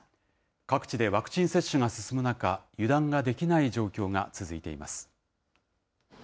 各地でワクチン接種が進む中、油断ができない状況が続いています。